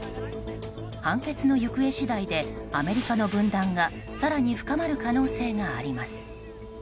判決の行方次第でアメリカの分断が更に深まる可能性があります。